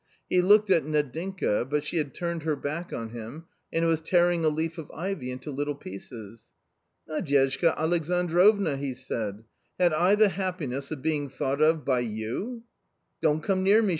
He looked at Nadinka, but she had turned her back on him and was tearing a leaf of ivy into little pieces. " Nadyezhda Alexandrovna !" he said, " had I the happi ness of being thought of by you ?"" Don't come near me